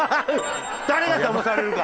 誰がだまされるか！